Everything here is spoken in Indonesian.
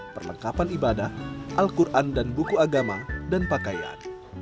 perlengkapan ibadah al quran dan buku agama dan pakaian